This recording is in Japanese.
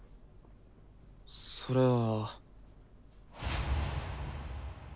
それは。